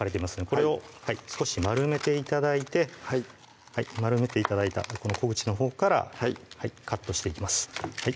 これを少し丸めて頂いて丸めて頂いたこの小口のほうからカットしていきます